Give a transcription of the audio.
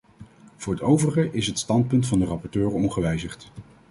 Voor het overige is het standpunt van de rapporteur ongewijzigd.